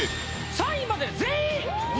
３位まで全員！